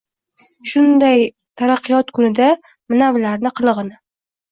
Shunday taraqqiyot kunida manavilarni qilig‘ini!»